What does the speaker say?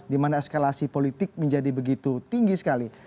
di mana eskalasi politik menjadi begitu tinggi sekali